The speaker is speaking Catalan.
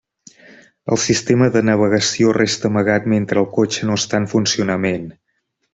El sistema de navegació resta amagat mentre el cotxe no està en funcionament.